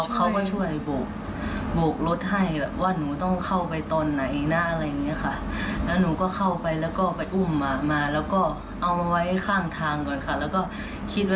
เขาก็ช่วยบวกรถให้ว่าหนูต้องเข้าไปตนไหนหน้าอะไรเงี้ยค่ะ